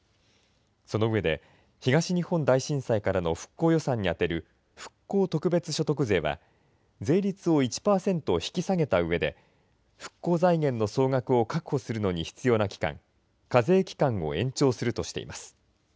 その上で、東日本大震災からの復興予算に充てる、復興特別所得税は、税率を１％引き下げたうえで、復興財源の総額を確保するのに必要な期間、課税期間を延長するとしています。